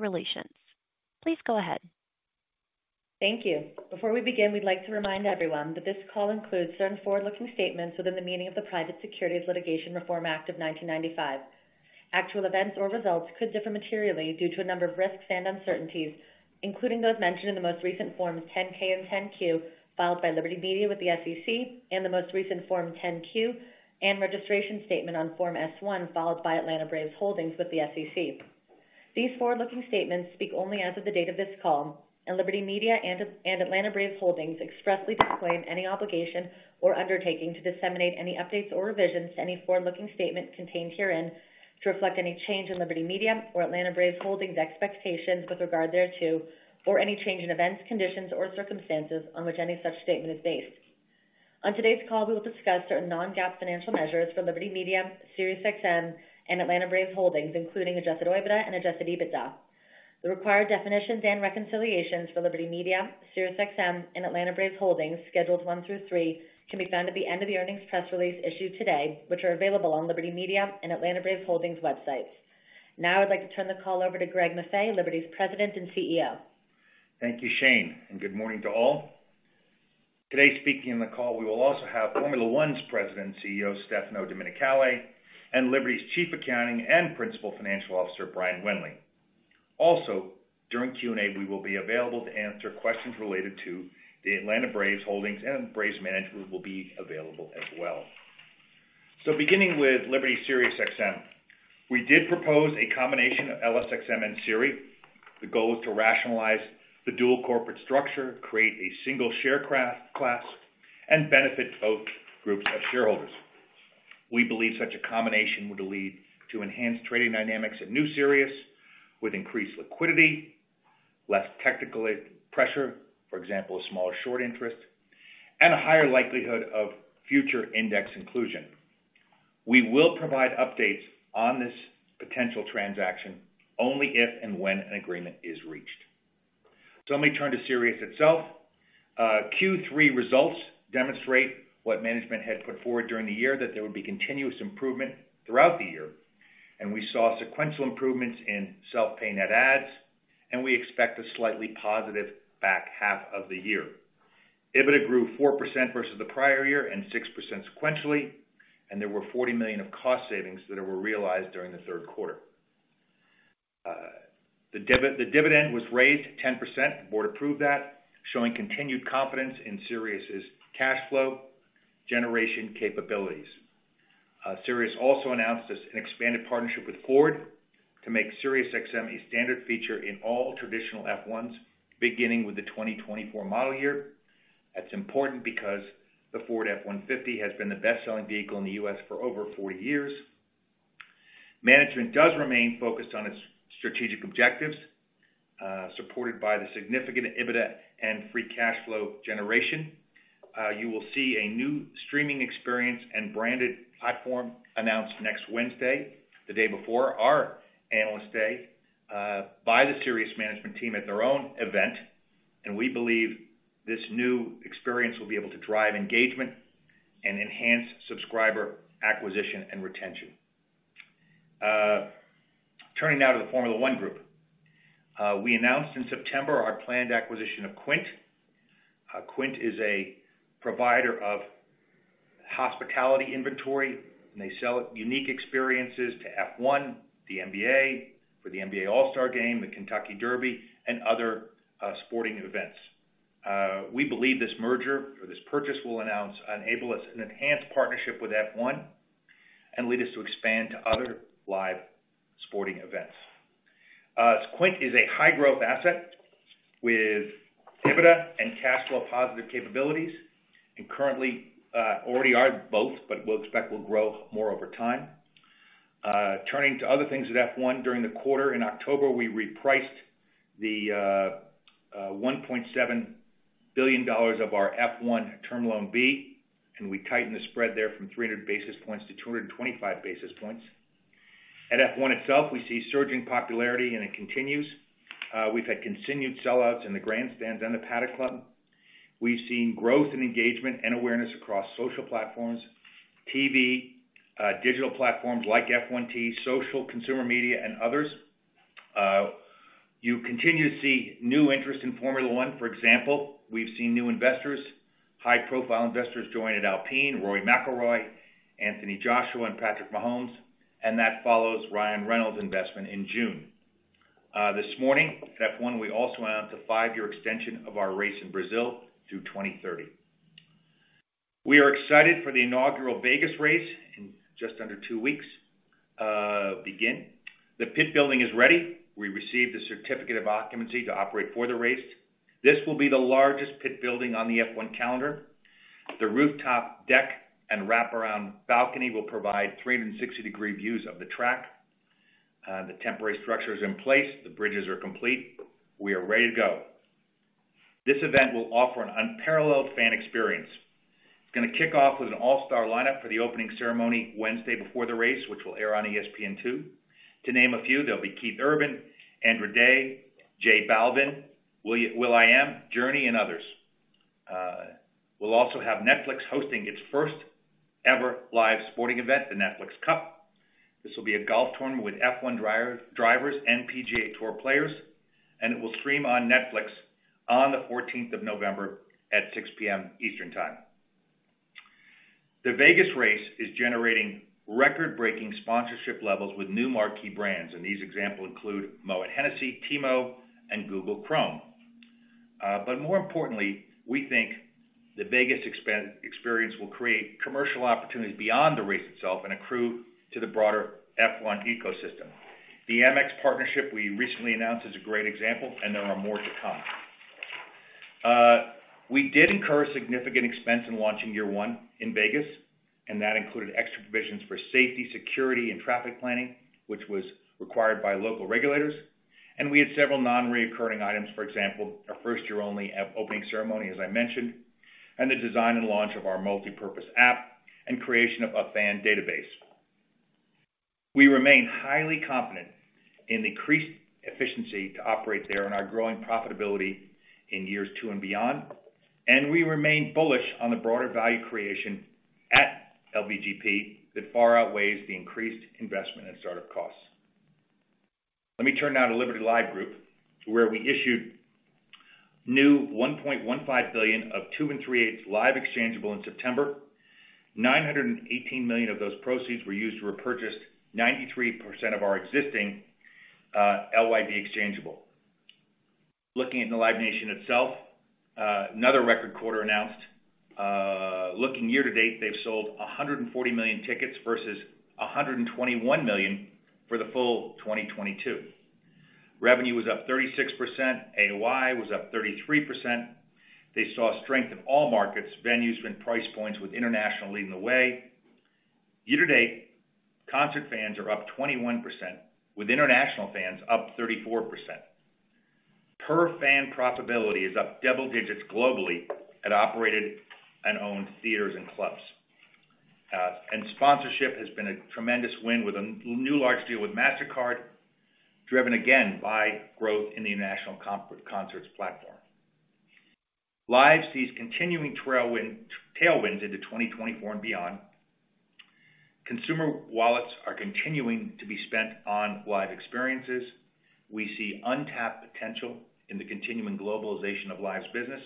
relations. Please go ahead. Thank you. Before we begin, we'd like to remind everyone that this call includes certain forward-looking statements within the meaning of the Private Securities Litigation Reform Act of 1995. Actual events or results could differ materially due to a number of risks and uncertainties, including those mentioned in the most recent Forms 10-K and 10-Q filed by Liberty Media with the SEC, and the most recent Form 10-Q and registration statement on Form S-1, filed by Atlanta Braves Holdings with the SEC. These forward-looking statements speak only as of the date of this call, and Liberty Media and Atlanta Braves Holdings expressly disclaim any obligation or undertaking to disseminate any updates or revisions to any forward-looking statement contained herein to reflect any change in Liberty Media or Atlanta Braves Holdings' expectations with regard thereto, or any change in events, conditions, or circumstances on which any such statement is based. On today's call, we will discuss certain non-GAAP financial measures for Liberty Media, Sirius XM, and Atlanta Braves Holdings, including adjusted OIBDA and adjusted EBITDA. The required definitions and reconciliations for Liberty Media, Sirius XM, and Atlanta Braves Holdings, Schedules one through three, can be found at the end of the earnings press release issued today, which are available on Liberty Media and Atlanta Braves Holdings' websites. Now, I'd like to turn the call over to Greg Maffei, Liberty's President and CEO. Thank you, Shane, and good morning to all. Today, speaking on the call, we will also have Formula One's President and CEO, Stefano Domenicali, and Liberty's Chief Accounting and Principal Financial Officer, Brian Wendling. Also, during Q&A, we will be available to answer questions related to the Atlanta Braves Holdings, and Braves management will be available as well. Beginning with Liberty SiriusXM, we did propose a combination of LSXM and SiriusXM. The goal is to rationalize the dual corporate structure, create a single share class, and benefit both groups of shareholders. We believe such a combination would lead to enhanced trading dynamics at new SiriusXM, with increased liquidity, less technical pressure, for example, a smaller short interest, and a higher likelihood of future index inclusion. We will provide updates on this potential transaction only if and when an agreement is reached. So let me turn to Sirius itself. Q3 results demonstrate what management had put forward during the year, that there would be continuous improvement throughout the year, and we saw sequential improvements in self-pay net adds, and we expect a slightly positive back half of the year. EBITDA grew 4% versus the prior year and 6% sequentially, and there were $40 million of cost savings that were realized during the Q3. The dividend was raised 10%. The board approved that, showing continued confidence in SiriusXM's cash flow generation capabilities. SiriusXM also announced an expanded partnership with Ford to make SiriusXM a standard feature in all traditional F-150s, beginning with the 2024 model year. That's important because the Ford F-150 has been the best-selling vehicle in the U.S. for over 40 years. Management does remain focused on its strategic objectives, supported by the significant EBITDA and free cash flow generation. You will see a new streaming experience and branded platform announced next Wednesday, the day before our Analyst Day, by the Sirius management team at their own event, and we believe this new experience will be able to drive engagement and enhance subscriber acquisition and retention. Turning now to the Formula One Group. We announced in September our planned acquisition of Quint. Quint is a provider of hospitality inventory, and they sell unique experiences to F1, the NBA, for the NBA All-Star Game, the Kentucky Derby, and other sporting events. We believe this merger or this purchase will enable us an enhanced partnership with F1 and lead us to expand to other live sporting events. Quint is a high-growth asset with EBITDA and cash flow positive capabilities, and currently, already are both, but we'll expect will grow more over time. Turning to other things at F1. During the quarter in October, we repriced the $1.7 billion of our F1 Term Loan B, and we tightened the spread there from 300 basis points to 225 basis points. At F1 itself, we see surging popularity, and it continues. We've had continued sellouts in the grandstands and the Paddock Club. We've seen growth in engagement and awareness across social platforms, TV, digital platforms like F1 TV, social, consumer media, and others. You continue to see new interest in Formula One. For example, we've seen new investors, high-profile investors joined at Alpine, Rory McIlroy, Anthony Joshua, and Patrick Mahomes, and that follows Ryan Reynolds' investment in June. This morning, at F1, we also announced a five-year extension of our race in Brazil through 2030. We are excited for the inaugural Vegas race in just under two weeks. The pit building is ready. We received a certificate of occupancy to operate for the race. This will be the largest pit building on the F1 calendar. The rooftop deck and wraparound balcony will provide 360-degree views of the track. The temporary structure is in place. The bridges are complete. We are ready to go. This event will offer an unparalleled fan experience. It's gonna kick off with an all-star lineup for the opening ceremony, Wednesday before the race, which will air on ESPN2. To name a few, there'll be Keith Urban, Andra Day, J Balvin, will.i.am, Journey, and others. We'll also have Netflix hosting its first-ever live sporting event, the Netflix Cup. This will be a golf tournament with F1 drivers and PGA Tour players, and it will stream on Netflix on the fourteenth of November at 6:00 P.M. Eastern Time. The Vegas race is generating record-breaking sponsorship levels with new marquee brands, and these examples include Moët Hennessy, T-Mobile, and Google Chrome. But more importantly, we think the Vegas experience will create commercial opportunities beyond the race itself and accrue to the broader F1 ecosystem. The Amex partnership we recently announced is a great example, and there are more to come. We did incur significant expense in launching year one in Vegas, and that included extra provisions for safety, security, and traffic planning, which was required by local regulators. We had several nonrecurring items, for example, our first year-only opening ceremony, as I mentioned, and the design and launch of our multipurpose app and creation of a fan database. We remain highly confident in the increased efficiency to operate there and our growing profitability in years two and beyond. We remain bullish on the broader value creation at LVGP that far outweighs the increased investment and startup costs. Let me turn now to Liberty Live Group, to where we issued new $1.15 billion of 2 3/8 Live exchangeable in September. $918 million of those proceeds were used to repurchase 93% of our existing LYV exchangeable. Looking at Live Nation itself, another record quarter announced. Looking year to date, they've sold 140 million tickets versus 121 million for the full 2022. Revenue was up 36%, AOI was up 33%. They saw strength in all markets, venues, and price points, with international leading the way. Year to date, concert fans are up 21%, with international fans up 34%. Per fan profitability is up double digits globally at operated and owned theaters and clubs. And sponsorship has been a tremendous win with a new large deal with Mastercard, driven again by growth in the international concerts platform. Live sees continuing tailwinds into 2024 and beyond. Consumer wallets are continuing to be spent on live experiences. We see untapped potential in the continuing globalization of Live's business,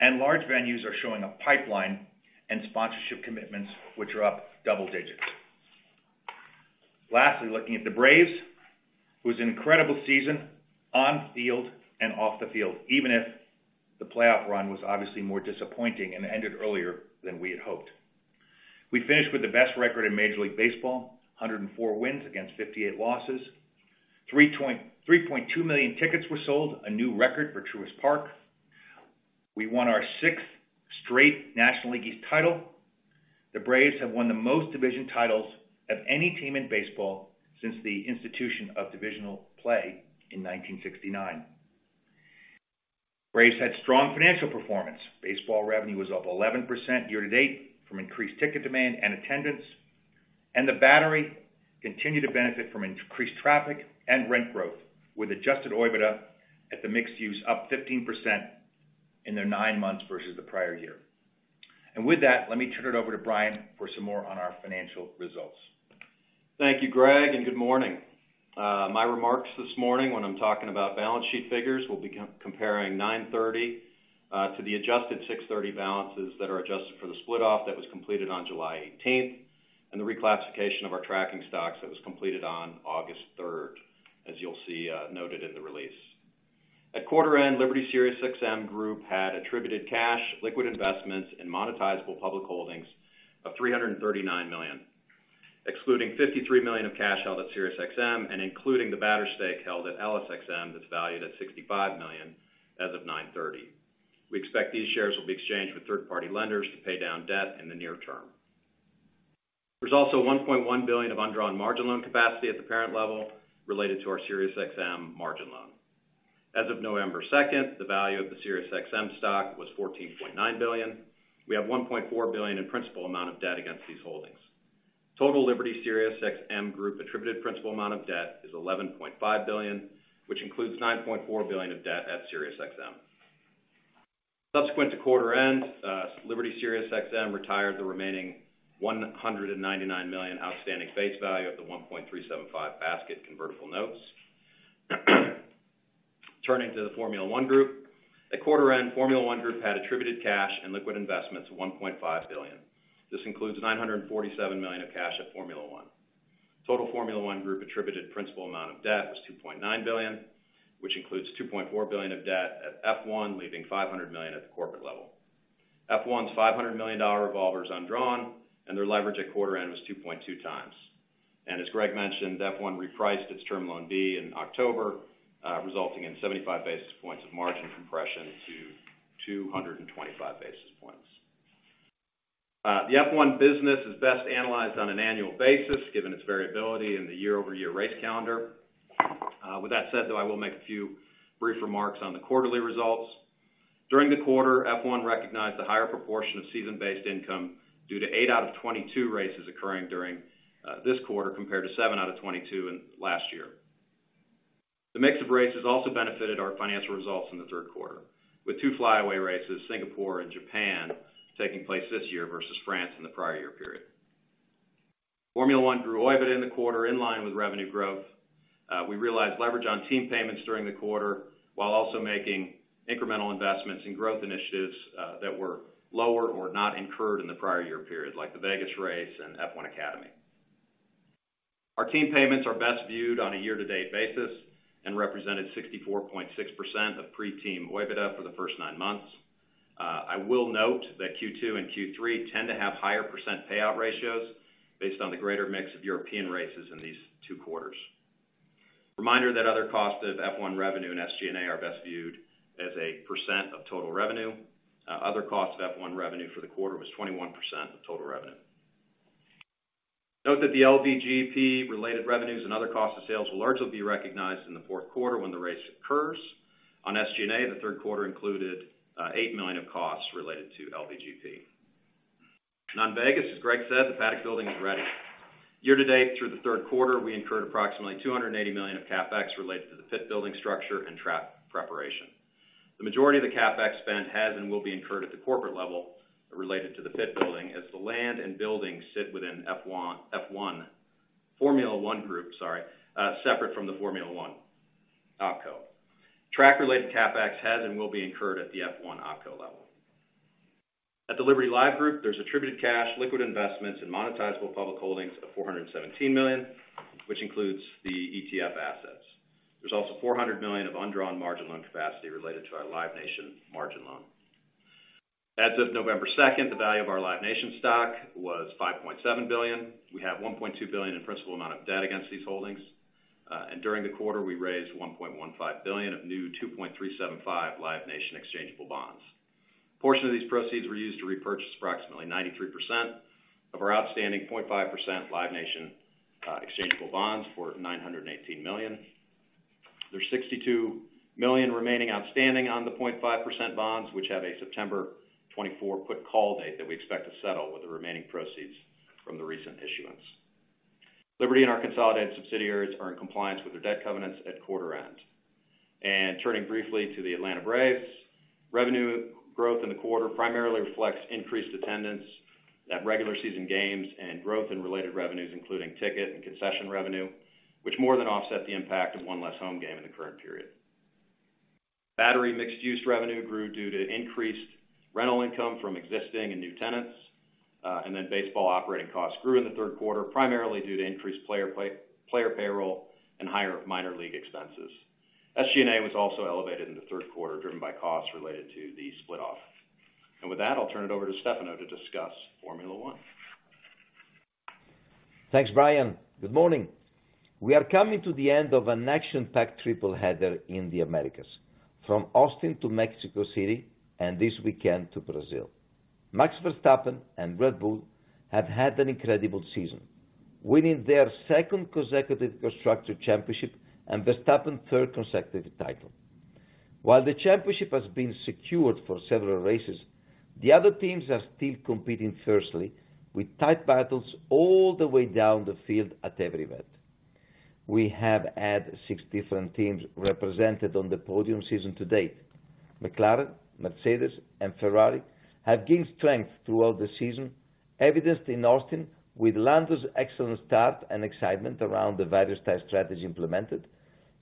and large venues are showing a pipeline and sponsorship commitments, which are up double digits. Lastly, looking at the Braves, it was an incredible season on field and off the field, even if the playoff run was obviously more disappointing and ended earlier than we had hoped. We finished with the best record in Major League Baseball, 104 wins against 58 losses. 3.2 million tickets were sold, a new record for Truist Park. We won our sixth straight National League East title. The Braves have won the most division titles of any team in baseball since the institution of divisional play in 1969. Braves had strong financial performance. Baseball revenue was up 11% year to date from increased ticket demand and attendance, and The Battery continued to benefit from increased traffic and rent growth, with Adjusted OIBDA at the mixed use up 15% in their 9 months versus the prior year. With that, let me turn it over to Brian for some more on our financial results. Thank you, Greg, and good morning. My remarks this morning, when I'm talking about balance sheet figures, we'll be comparing 9/30 to the adjusted 6/30 balances that are adjusted for the split-off that was completed on July 18, and the reclassification of our tracking stocks that was completed on August 3rd, as you'll see, noted in the release. At quarter end, Liberty SiriusXM Group had attributed cash, liquid investments, and monetizable public holdings of $339 million, excluding $53 million of cash held at SiriusXM and including The Battery stake held at LSXM, that's valued at $65 million as of 9/30. We expect these shares will be exchanged with third-party lenders to pay down debt in the near term. There's also $1.1 billion of undrawn margin loan capacity at the parent level related to our SiriusXM margin loan. As of November second, the value of the SiriusXM stock was $14.9 billion. We have $1.4 billion in principal amount of debt against these holdings. Total Liberty SiriusXM Group attributed principal amount of debt is $11.5 billion, which includes $9.4 billion of debt at SiriusXM. Subsequent to quarter end, Liberty SiriusXM retired the remaining $199 million outstanding face value of the 1.375% basket convertible notes. Turning to the Formula One Group. At quarter end, Formula One Group had attributed cash and liquid investments of $1.5 billion. This includes $947 million of cash at Formula One. Total Formula One Group attributed principal amount of debt was $2.9 billion, which includes $2.4 billion of debt at F1, leaving $500 million at the corporate level. F1's $500 million revolver is undrawn, and their leverage at quarter end was 2.2x. And as Greg mentioned, F1 repriced its Term Loan B in October, resulting in 75 basis points of margin compression to 225 basis points. The F1 business is best analyzed on an annual basis, given its variability in the year-over-year race calendar. With that said, though, I will make a few brief remarks on the quarterly results. During the quarter, F1 recognized a higher proportion of season-based income due to 8 out of 22 races occurring during this quarter, compared to 7 out of 22 in last year. The mix of races also benefited our financial results in the Q3, with two flyaway races, Singapore and Japan, taking place this year versus France in the prior year period. Formula One grew OIBDA in the quarter in line with revenue growth. We realized leverage on team payments during the quarter, while also making incremental investments in growth initiatives that were lower or not incurred in the prior year period, like the Vegas race and F1 Academy. Our team payments are best viewed on a year-to-date basis and represented 64.6% of pre-team OIBDA for the first nine months. I will note that Q2 and Q3 tend to have higher percent payout ratios based on the greater mix of European races in these two quarters. Reminder that other costs of F1 revenue and SG&A are best viewed as a % of total revenue. Other costs of F1 revenue for the quarter was 21% of total revenue. Note that the LVGP related revenues and other costs of sales will largely be recognized in the Q4 when the race occurs. On SG&A, the Q3 included $8 million of costs related to LVGP. On Vegas, as Greg said, the paddock building is ready. Year to date, through the Q3, we incurred approximately $280 million of CapEx related to the pit building structure and trap preparation. The majority of the CapEx spend has and will be incurred at the corporate level related to the pit building, as the land and buildings sit within F1, Formula One Group, Formula One OpCo. Track-related CapEx has and will be incurred at the F1 OpCo level. At the Liberty Live Group, there's attributed cash, liquid investments, and monetizable public holdings of $417 million, which includes the ETF assets. There's also $400 million of undrawn margin loan capacity related to our Live Nation margin loan. As of November second, the value of our Live Nation stock was $5.7 billion. We have $1.2 billion in principal amount of debt against these holdings. And during the quarter, we raised $1.15 billion of new 2.375 Live Nation exchangeable bonds. Portion of these proceeds were used to repurchase approximately 93% of our outstanding 0.5% Live Nation exchangeable bonds for $918 million. There's $62 million remaining outstanding on the 0.5% bonds, which have a September 2024 put call date that we expect to settle with the remaining proceeds from the recent issuance. Liberty and our consolidated subsidiaries are in compliance with their debt covenants at quarter end. Turning briefly to the Atlanta Braves, revenue growth in the quarter primarily reflects increased attendance at regular season games and growth in related revenues, including ticket and concession revenue, which more than offset the impact of one less home game in the current period. Battery mixed-use revenue grew due to increased rental income from existing and new tenants, and then baseball operating costs grew in the Q3, primarily due to increased player payroll and higher minor league expenses. SG&A was also elevated in the Q3, driven by costs related to the split off. And with that, I'll turn it over to Stefano to discuss Formula One. Thanks, Brian. Good morning. We are coming to the end of an action-packed triple header in the Americas, from Austin to Mexico City, and this weekend to Brazil. Max Verstappen and Red Bull have had an incredible season, winning their second consecutive Constructor Championship and Verstappen third consecutive title. While the championship has been secured for several races, the other teams are still competing fiercely, with tight battles all the way down the field at every event. We have had six different teams represented on the podium season to date. McLaren, Mercedes, and Ferrari have gained strength throughout the season, evidenced in Austin with Lando's excellent start and excitement around the various style strategies implemented.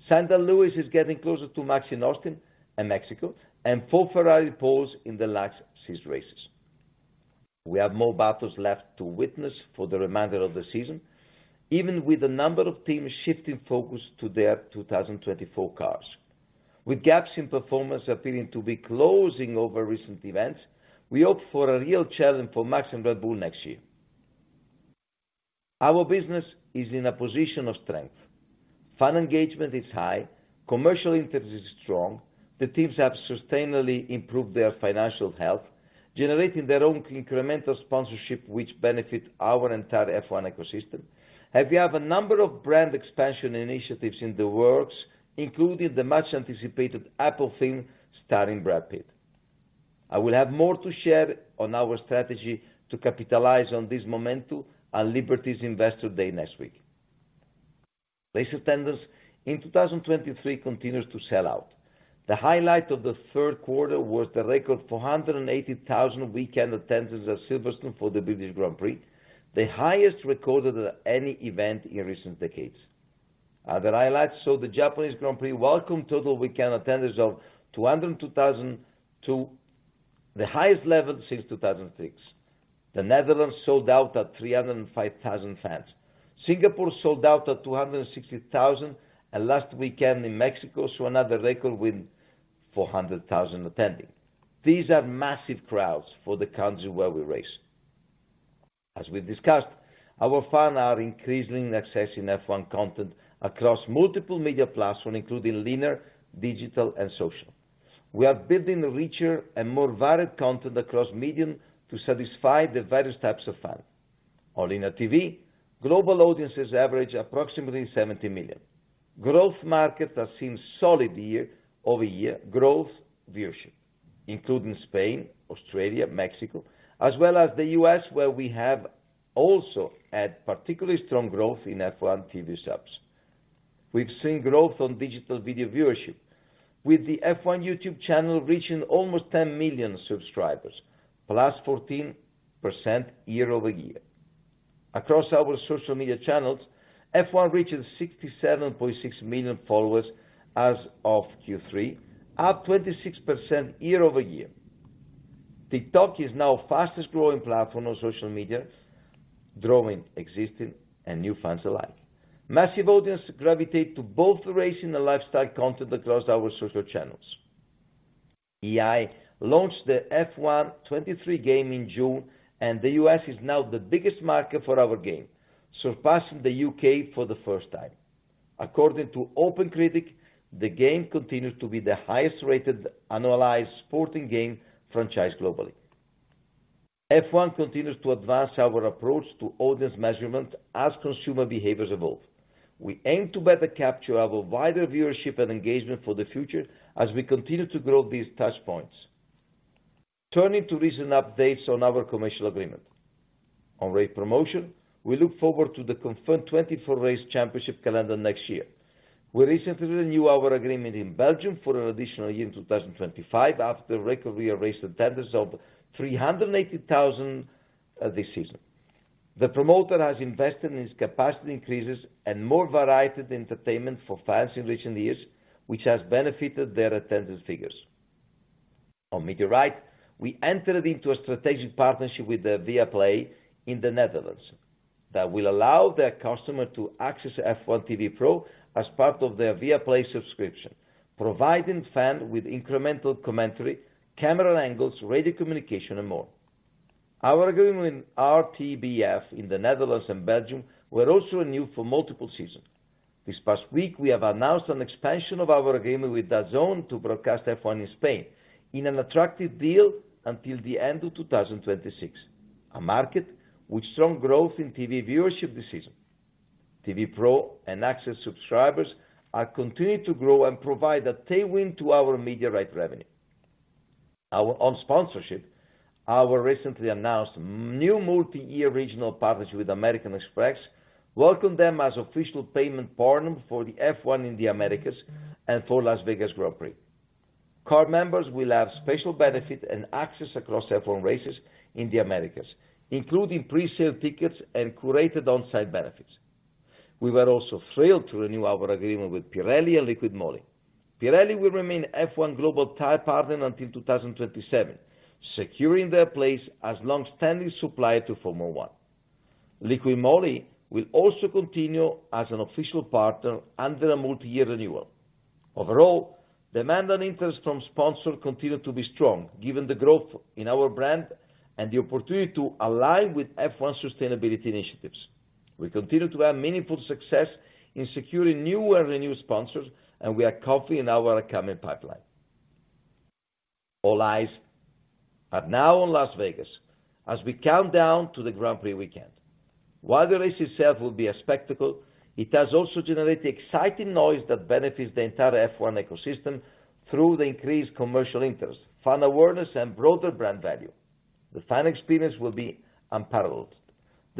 Sir Lewis is getting closer to Max in Austin and Mexico, and four Ferrari poles in the last six races. We have more battles left to witness for the remainder of the season, even with a number of teams shifting focus to their 2024 cars. With gaps in performance appearing to be closing over recent events, we hope for a real challenge for Max and Red Bull next year. Our business is in a position of strength. Fan engagement is high, commercial interest is strong. The teams have sustainably improved their financial health, generating their own incremental sponsorship, which benefit our entire F1 ecosystem. We have a number of brand expansion initiatives in the works, including the much-anticipated Apple thing, starring Brad Pitt. I will have more to share on our strategy to capitalize on this momentum at Liberty's Investor Day next week. Race attendance in 2023 continues to sell out. The highlight of the Q3 was the record 480,000 weekend attendance at Silverstone for the British Grand Prix, the highest recorded at any event in recent decades. Other highlights saw the Japanese Grand Prix welcome total weekend attendance of 202,000, the highest level since 2006. The Netherlands sold out at 305,000 fans. Singapore sold out at 260,000, and last weekend in Mexico saw another record with 400,000 attending. These are massive crowds for the countries where we race. As we discussed, our fans are increasingly accessing F1 content across multiple media platforms, including linear, digital, and social. We are building richer and more varied content across media to satisfy the various types of fans. On linear TV, global audiences average approximately 70 million. Growth markets have seen solid year-over-year growth viewership, including Spain, Australia, Mexico, as well as the U.S., where we have also had particularly strong growth in F1 TV subs. We've seen growth on digital video viewership, with the F1 YouTube channel reaching almost 10 million subscribers, plus 14% year-over-year. Across our social media channels, F1 reaches 67.6 million followers as of Q3, up 26% year-over-year. TikTok is now fastest growing platform on social media, drawing existing and new fans alike. Massive audience gravitate to both the racing and lifestyle content across our social channels. EA launched the F1 '23 game in June, and the U.S. is now the biggest market for our game, surpassing the U.K. for the first time. According to OpenCritic, the game continues to be the highest-rated annualized sporting game franchise globally. F1 continues to advance our approach to audience measurement as consumer behaviors evolve. We aim to better capture our wider viewership and engagement for the future as we continue to grow these touch points. Turning to recent updates on our commercial agreement. On race promotion, we look forward to the confirmed 24 race championship calendar next year. We recently renewed our agreement in Belgium for an additional year in 2025, after a record year race attendance of 380,000 this season. The promoter has invested in its capacity increases and more variety of entertainment for fans in recent years, which has benefited their attendance figures. On media rights, we entered into a strategic partnership with Viaplay in the Netherlands, that will allow their customer to access F1 TV Pro as part of their Viaplay subscription, providing fan with incremental commentary, camera angles, radio communication, and more. Our agreement with RTBF in the Netherlands and Belgium were also renewed for multiple seasons. This past week, we have announced an expansion of our agreement with DAZN to broadcast F1 in Spain, in an attractive deal until the end of 2026, a market with strong growth in TV viewership this season. TV Pro and Access subscribers are continuing to grow and provide a tailwind to our media rights revenue. On sponsorship, our recently announced new multi-year regional partnership with American Express, welcome them as official payment partner for the F1 in the Americas and for Las Vegas Grand Prix. Card members will have special benefits and access across F1 races in the Americas, including pre-sale tickets and curated on-site benefits. We were also thrilled to renew our agreement with Pirelli and Liqui Moly. Pirelli will remain F1 global tire partner until 2027, securing their place as long-standing supplier to Formula One. Liqui Moly will also continue as an official partner under a multi-year renewal. Overall, demand and interest from sponsors continue to be strong, given the growth in our brand and the opportunity to align with F1 sustainability initiatives. We continue to have meaningful success in securing new and renewed sponsors, and we are confident in our upcoming pipeline. All eyes are now on Las Vegas as we count down to the Grand Prix weekend. While the race itself will be a spectacle, it has also generated exciting noise that benefits the entire F1 ecosystem through the increased commercial interest, fan awareness, and broader brand value. The fan experience will be unparalleled.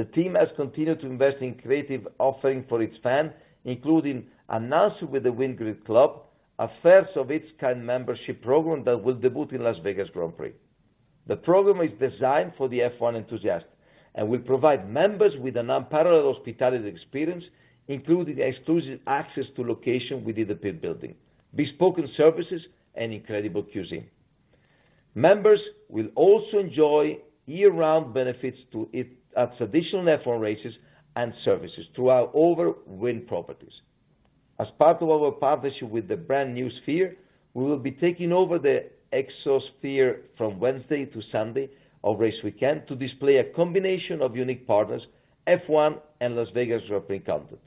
The team has continued to invest in creative offering for its fan, including announcing with the Wynn Grid Club, a first-of-its-kind membership program that will debut in Las Vegas Grand Prix. The program is designed for the F1 enthusiast, and will provide members with an unparalleled hospitality experience, including exclusive access to location within the pit building, bespoke services, and incredible cuisine. Members will also enjoy year-round benefits to it at traditional F1 races and services throughout all our Wynn properties. As part of our partnership with the brand new Sphere, we will be taking over the Exosphere from Wednesday to Sunday of race weekend to display a combination of unique partners, F1 and Las Vegas Grand Prix content.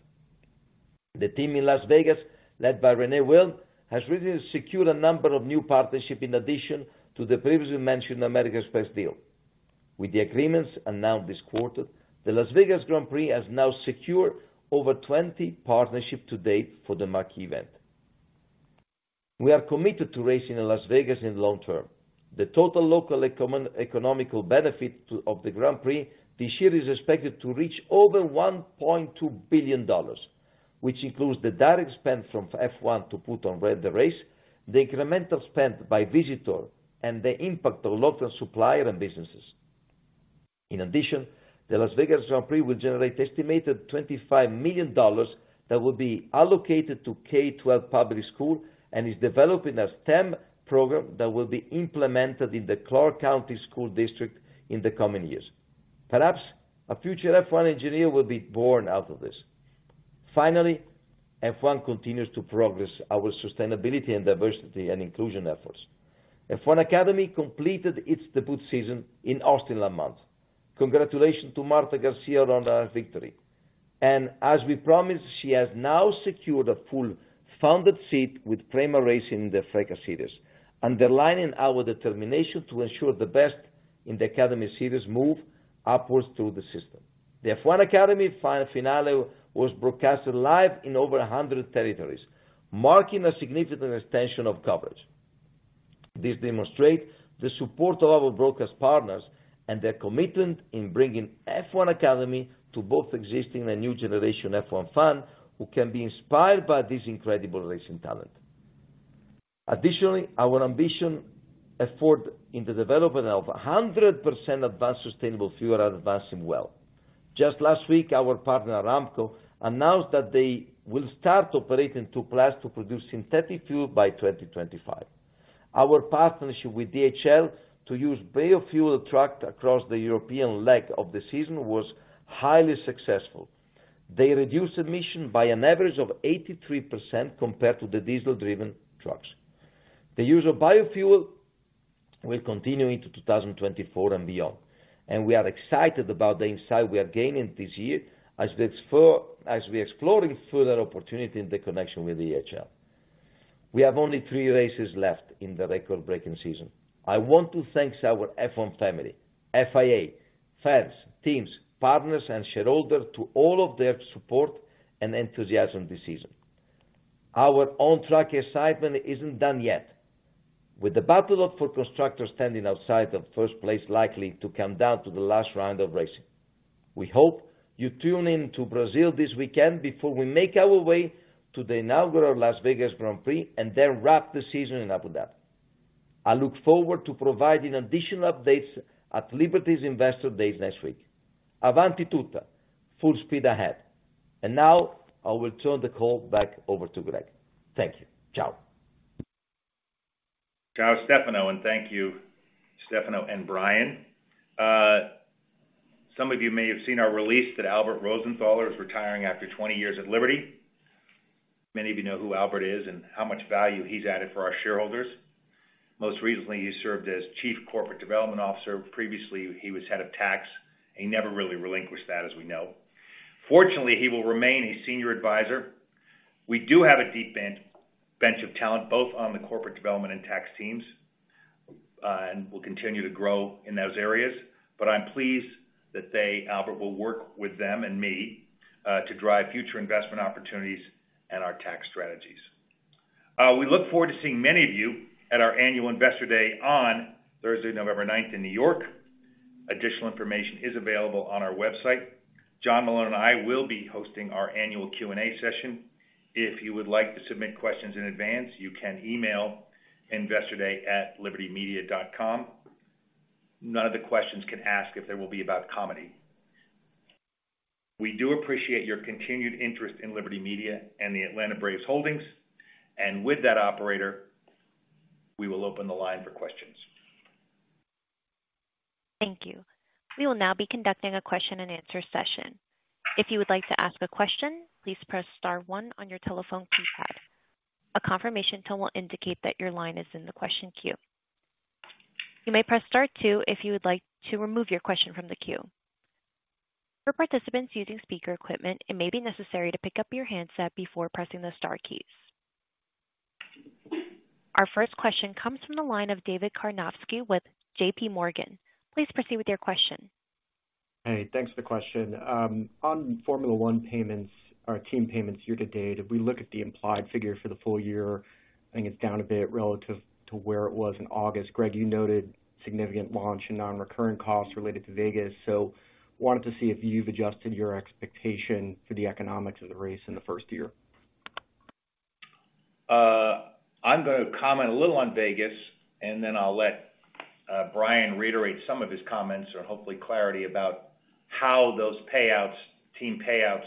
The team in Las Vegas, led by Renee Wilm, has recently secured a number of new partnerships in addition to the previously mentioned American Express deal. With the agreements announced this quarter, the Las Vegas Grand Prix has now secured over 20 partnerships to date for the marquee event. We are committed to racing in Las Vegas in long term. The total local economical benefit to of the Grand Prix this year is expected to reach over $1.2 billion, which includes the direct spend from F1 to put on the race, the incremental spend by visitor, and the impact on local supplier and businesses. In addition, the Las Vegas Grand Prix will generate estimated $25 million that will be allocated to K-12 public school, and is developing a STEM program that will be implemented in the Clark County School District in the coming years. Perhaps, a future F1 engineer will be born out of this. Finally, F1 continues to progress our sustainability and diversity and inclusion efforts. F1 Academy completed its debut season in Austin last month. Congratulations to Marta Garcia on her victory. And as we promised, she has now secured a fully funded seat with Prema Racing in the FRECA series, underlining our determination to ensure the best in the academy series move upwards through the system. The F1 Academy finale was broadcasted live in over 100 territories, marking a significant extension of coverage. This demonstrates the support of our broadcast partners and their commitment in bringing F1 Academy to both existing and new generation F1 fan, who can be inspired by this incredible racing talent. Additionally, our ambition effort in the development of 100% advanced sustainable fuel are advancing well. Just last week, our partner, Aramco, announced that they will start operating 2 plants to produce synthetic fuel by 2025. Our partnership with DHL to use biofuel truck across the European leg of the season was highly successful. They reduced emission by an average of 83% compared to the diesel-driven trucks. The use of biofuel will continue into 2024 and beyond, and we are excited about the insight we are gaining this year as we're exploring further opportunity in the connection with DHL. We have only 3 races left in the record-breaking season. I want to thank our F1 family, FIA, fans, teams, partners, and shareholders to all of their support and enthusiasm this season. Our on-track excitement isn't done yet. With the battle up for constructor standing outside of first place, likely to come down to the last round of racing. We hope you tune in to Brazil this weekend before we make our way to the inaugural Las Vegas Grand Prix, and then wrap the season in Abu Dhabi. I look forward to providing additional updates at Liberty's Investor Day next week. „Avanti tutta!" Full speed ahead. And now, I will turn the call back over to Greg. Thank you. Ciao. Ciao, Stefano, and thank you, Stefano and Brian. Some of you may have seen our release that Albert Rosenthaler is retiring after 20 years at Liberty. Many of you know who Albert is and how much value he's added for our shareholders. Most recently, he served as Chief Corporate Development Officer. Previously, he was Head of Tax, and he never really relinquished that, as we know. Fortunately, he will remain a senior advisor. We do have a deep bench of talent, both on the corporate development and tax teams, and we'll continue to grow in those areas. But I'm pleased that they, Albert, will work with them and me, to drive future investment opportunities and our tax strategies. We look forward to seeing many of you at our Annual Investor Day on Thursday, November ninth, in New York. Additional information is available on our website. John Malone and I will be hosting our annual Q&A session. If you would like to submit questions in advance, you can email investorday@libertymedia.com. None of the questions can ask if they will be about comedy. We do appreciate your continued interest in Liberty Media and the Atlanta Braves Holdings. With that, operator, we will open the line for questions. Thank you. We will now be conducting a question-and-answer session. If you would like to ask a question, please press star one on your telephone keypad. A confirmation tone will indicate that your line is in the question queue. You may press star two if you would like to remove your question from the queue. For participants using speaker equipment, it may be necessary to pick up your handset before pressing the star keys. Our first question comes from the line of David Karnovsky with JPMorgan. Please proceed with your question. Hey, thanks for the question. On Formula one payments or team payments year to date, if we look at the implied figure for the full year, I think it's down a bit relative to where it was in August. Greg, you noted significant launch and non-recurring costs related to Vegas, so wanted to see if you've adjusted your expectation for the economics of the race in the first year. I'm gonna comment a little on Vegas, and then I'll let Brian reiterate some of his comments or hopefully clarity about how those payouts, team payouts,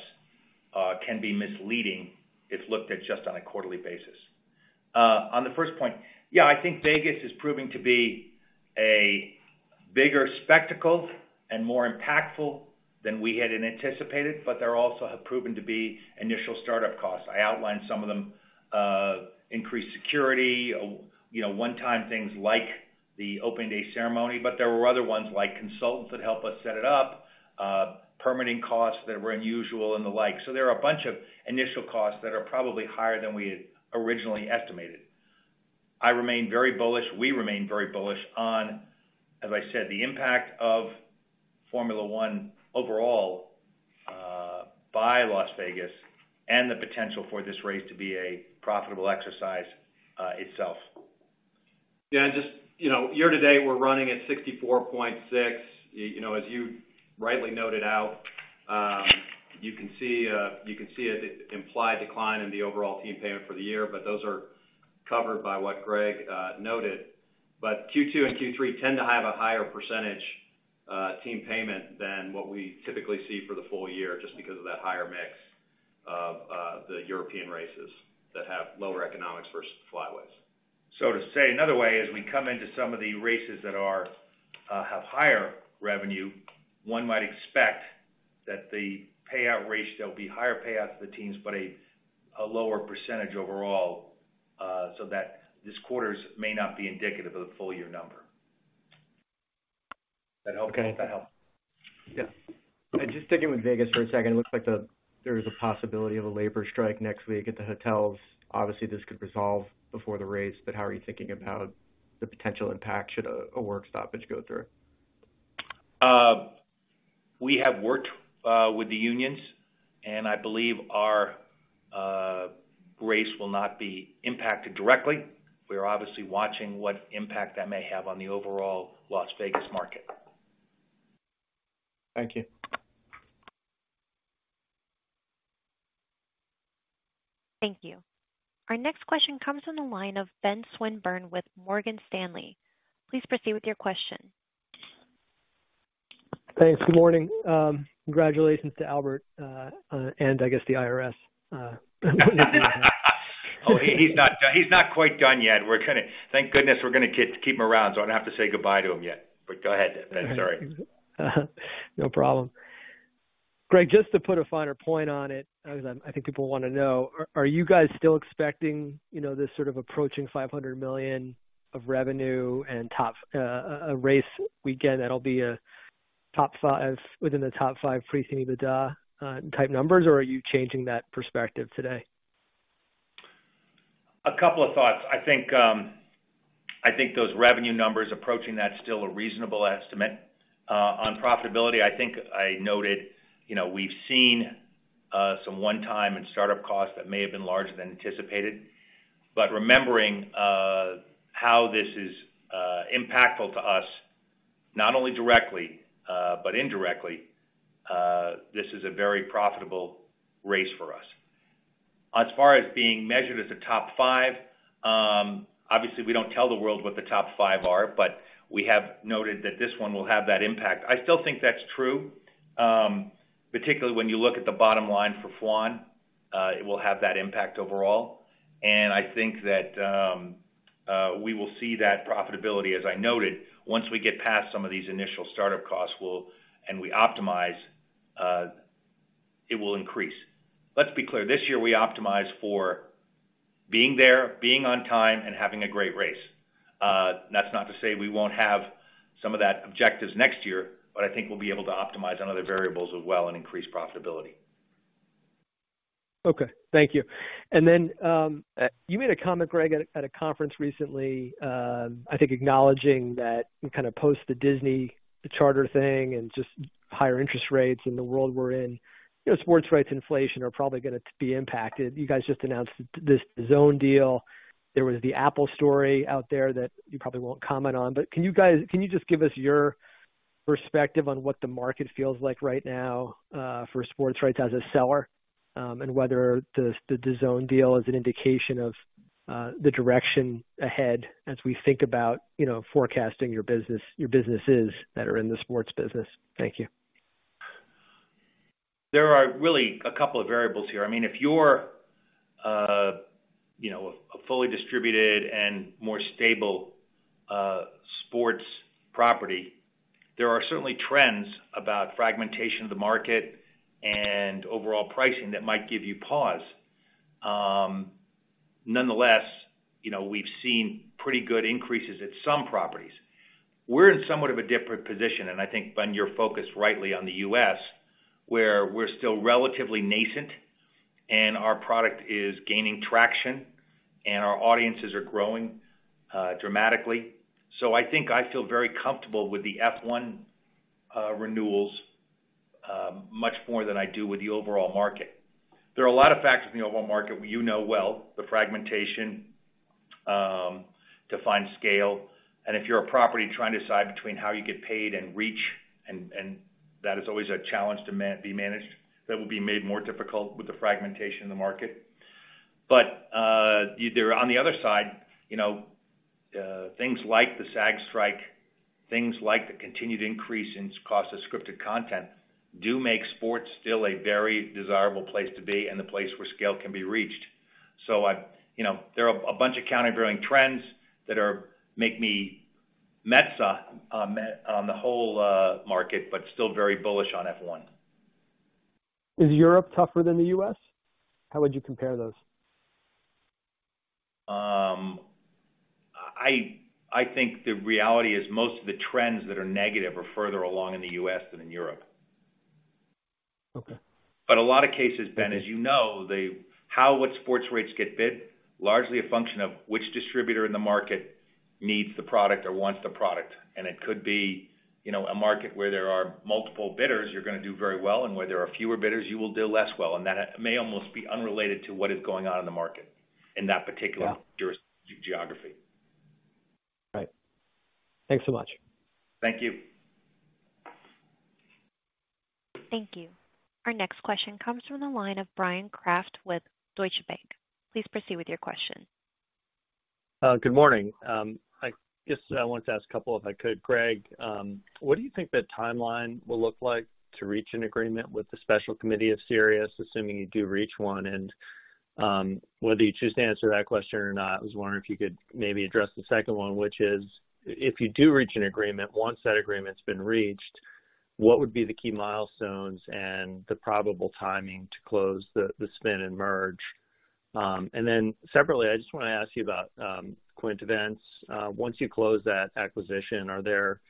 can be misleading if looked at just on a quarterly basis. On the first point, yeah, I think Vegas is proving to be a bigger spectacle and more impactful than we had anticipated, but there also have proven to be initial startup costs. I outlined some of them, increased security, you know, one-time things like the opening day ceremony, but there were other ones, like consultants that help us set it up, permitting costs that were unusual and the like. So there are a bunch of initial costs that are probably higher than we had originally estimated. I remain very bullish. We remain very bullish on, as I said, the impact of Formula 1 overall, by Las Vegas and the potential for this race to be a profitable exercise, itself. Yeah, just, you know, year-to-date, we're running at 64.6. You know, as you rightly noted out, you can see, you can see it, implied decline in the overall team payment for the year, but those are covered by what Greg noted. But Q2 and Q3 tend to have a higher percentage team payment than what we typically see for the full year, just because of that higher mix of the European races that have lower economics versus flyaways. So, to say, another way is we come into some of the races that have higher revenue. One might expect that the payout ratio there will be higher payouts to the teams, but a lower percentage overall, so that this quarter's may not be indicative of the full year number. That help? Okay. That help? Yeah. Just sticking with Vegas for a second. It looks like there is a possibility of a labor strike next week at the hotels. Obviously, this could resolve before the race, but how are you thinking about the potential impact should a work stoppage go through?... We have worked with the unions, and I believe our race will not be impacted directly. We are obviously watching what impact that may have on the overall Las Vegas market. Thank you. Thank you. Our next question comes from the line of Ben Swinburne with Morgan Stanley. Please proceed with your question. Thanks. Good morning. Congratulations to Albert, and I guess the IRS, Oh, he's not quite done yet. Thank goodness, we're gonna get to keep him around, so I don't have to say goodbye to him yet. But go ahead, Ben. Sorry. No problem. Greg, just to put a finer point on it, as I think people want to know, are you guys still expecting, you know, this sort of approaching $500 million of revenue and top a race weekend that'll be a top five, within the top five pre-EBITDA type numbers, or are you changing that perspective today? A couple of thoughts. I think, I think those revenue numbers approaching that's still a reasonable estimate. On profitability, I think I noted, you know, we've seen some one-time and start-up costs that may have been larger than anticipated. But remembering how this is impactful to us, not only directly, but indirectly, this is a very profitable race for us. As far as being measured as a top five, obviously, we don't tell the world what the top five are, but we have noted that this one will have that impact. I still think that's true, particularly when you look at the bottom line for F1, it will have that impact overall. And I think that we will see that profitability, as I noted, once we get past some of these initial startup costs, we'll... We optimize, it will increase. Let's be clear, this year, we optimized for being there, being on time, and having a great race. That's not to say we won't have some of that objectives next year, but I think we'll be able to optimize on other variables as well and increase profitability. Okay, thank you. And then, you made a comment, Greg, at a conference recently. I think acknowledging that kind of post the Disney, the Charter thing and just higher interest rates in the world we're in, you know, sports rights inflation are probably gonna be impacted. You guys just announced this DAZN deal. There was the Apple story out there that you probably won't comment on. But can you guys, can you just give us your perspective on what the market feels like right now, for sports rights as a seller, and whether the, the DAZN deal is an indication of, the direction ahead as we think about, you know, forecasting your business, your businesses that are in the sports business? Thank you. There are really a couple of variables here. I mean, if you're, you know, a fully distributed and more stable sports property, there are certainly trends about fragmentation of the market and overall pricing that might give you pause. Nonetheless, you know, we've seen pretty good increases at some properties. We're in somewhat of a different position, and I think, Ben, you're focused rightly on the US, where we're still relatively nascent, and our product is gaining traction, and our audiences are growing dramatically. So I think I feel very comfortable with the F1 renewals much more than I do with the overall market. There are a lot of factors in the overall market, you know well, the fragmentation to find scale. And if you're a property trying to decide between how you get paid and reach, and that is always a challenge to manage, that will be made more difficult with the fragmentation in the market. But, either on the other side, you know, things like the SAG strike, things like the continued increase in cost of scripted content, do make sports still a very desirable place to be and the place where scale can be reached. So, you know, there are a bunch of countervailing trends that make me more measured on the whole market, but still very bullish on F1. Is Europe tougher than the U.S.? How would you compare those? I think the reality is most of the trends that are negative are further along in the U.S. than in Europe. Okay. But a lot of cases, Ben, as you know, the how, what sports rates get bid, largely a function of which distributor in the market needs the product or wants the product. And it could be, you know, a market where there are multiple bidders, you're gonna do very well, and where there are fewer bidders, you will do less well. And that may almost be unrelated to what is going on in the market, in that particular- Yeah. jurisprudence, geography. Right. Thanks so much. Thank you. Thank you. Our next question comes from the line of Bryan Kraft with Deutsche Bank. Please proceed with your question. Good morning. I guess I wanted to ask a couple, if I could. Greg, what do you think the timeline will look like to reach an agreement with the special committee of Sirius, assuming you do reach one? And, whether you choose to answer that question or not, I was wondering if you could maybe address the second one, which is: If you do reach an agreement, once that agreement's been reached, what would be the key milestones and the probable timing to close the, the spin and merge? And then separately, I just want to ask you about, Quint Events. Once you close that acquisition, are there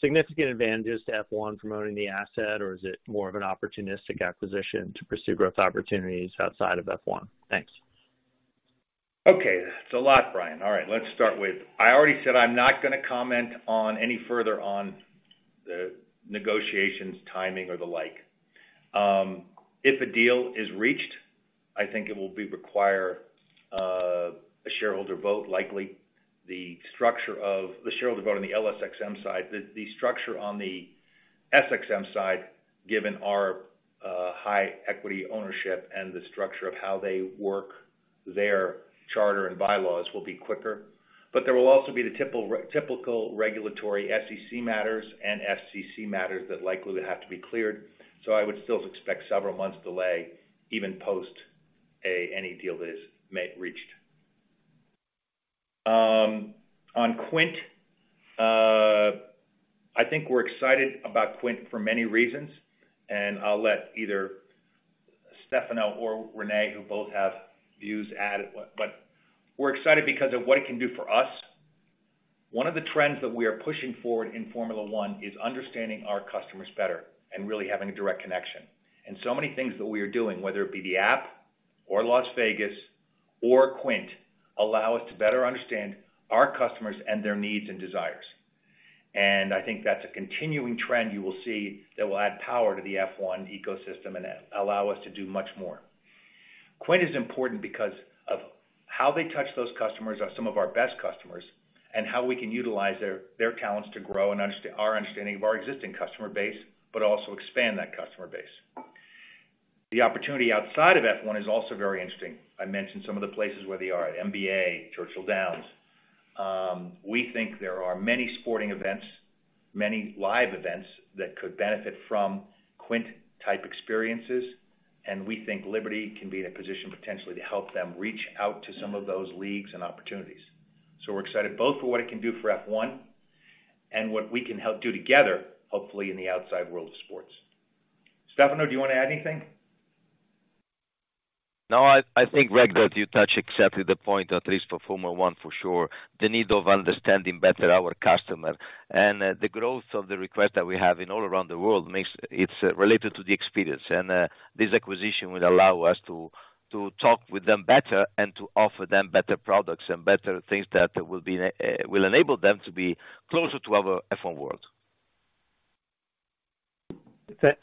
significant advantages to F1 from owning the asset, or is it more of an opportunistic acquisition to pursue growth opportunities outside of F1? Thanks. ... Okay, it's a lot, Brian. All right, let's start with, I already said I'm not gonna comment on any further on the negotiations, timing, or the like. If a deal is reached, I think it will require a shareholder vote, likely the structure of the shareholder vote on the LSXM side. The structure on the SXM side, given our high equity ownership and the structure of how they work, their charter and bylaws will be quicker. But there will also be the typical regulatory SEC matters and FCC matters that likely would have to be cleared. So I would still expect several months delay, even post any deal that is made, reached. On Quint, I think we're excited about Quint for many reasons, and I'll let either Stefano or Renee, who both have views, add. But, but we're excited because of what it can do for us. One of the trends that we are pushing forward in Formula One is understanding our customers better and really having a direct connection. And so many things that we are doing, whether it be the app or Las Vegas or Quint, allow us to better understand our customers and their needs and desires. And I think that's a continuing trend you will see that will add power to the F1 ecosystem and allow us to do much more. Quint is important because of how they touch those customers are some of our best customers, and how we can utilize their, their talents to grow and our understanding of our existing customer base, but also expand that customer base. The opportunity outside of F1 is also very interesting. I mentioned some of the places where they are, at NBA, Churchill Downs. We think there are many sporting events, many live events that could benefit from Quint-type experiences, and we think Liberty can be in a position, potentially, to help them reach out to some of those leagues and opportunities. So we're excited both for what it can do for F1 and what we can help do together, hopefully, in the outside world of sports. Stefano, do you want to add anything? No, I think, Greg, that you touched exactly the point, at least for Formula One, for sure, the need of understanding better our customer. And, the growth of the request that we have in all around the world makes. It's related to the experience. And, this acquisition will allow us to talk with them better and to offer them better products and better things that will be will enable them to be closer to our F1 world.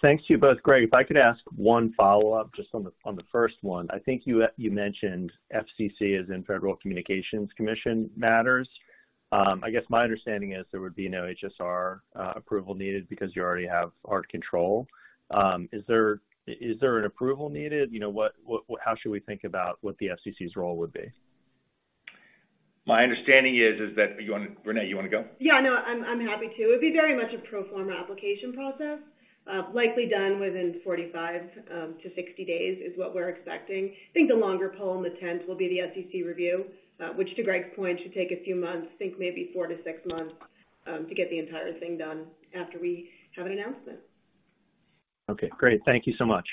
Thanks to you both. Greg, if I could ask one follow-up, just on the first one. I think you mentioned FCC, as in Federal Communications Commission matters. I guess my understanding is there would be no HSR approval needed because you already have our control. Is there an approval needed? You know, what how should we think about what the FCC's role would be? My understanding is that... You wanna go, Renee? Yeah, no, I'm happy to. It'd be very much a pro forma application process, likely done within 45 to 60 days, is what we're expecting. I think the longer pole in the tent will be the FCC review, which, to Greg's point, should take a few months, I think maybe 4-6 months, to get the entire thing done after we have an announcement. Okay, great. Thank you so much.